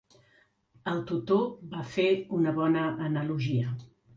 El tutor va fer una bona analogia.